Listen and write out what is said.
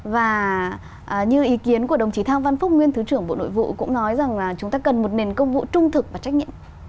và như ý kiến của đồng chí thang văn phúc nguyên thứ trưởng bộ nội vụ cũng nói rằng là chúng ta cần một nền công vụ trung thực và trách nhiệm